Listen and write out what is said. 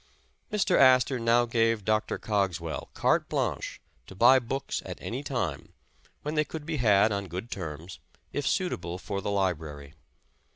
Mr. Astor now gave Dr. Cogswell carte blanche to buy books at any time, when they could be had on good terms, if suitable for the library.